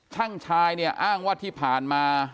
ช่างชายเนี่ยอ้างว่าที่ผ่านมา